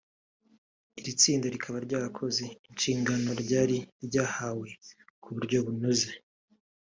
Iri tsinda rikaba ryarakoze inshingano ryari ryahawe ku buryo bunoze